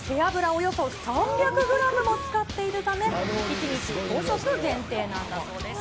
およそ３００グラムも使っているため、１日５食限定なんだそうです。